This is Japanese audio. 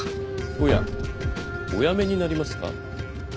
おやおやめになりますか？